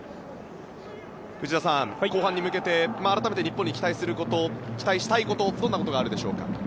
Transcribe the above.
内田さん、後半に向けて改めて日本に期待すること期待したいことどんなことがあるでしょうか？